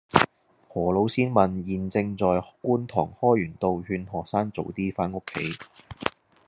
何老師問現正在觀塘開源道勸學生早啲返屋企